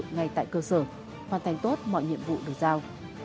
ngay tại cơ sở hoàn thành tốt mọi nhiệm vụ được giao